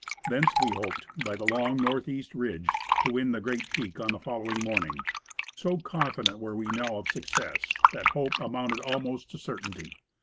Thence we hoped, ^•^ by the long north east ridge, to win the ^ great peak on the following morning. So ^\ confident were we now of success that hope amounted almost to certainty.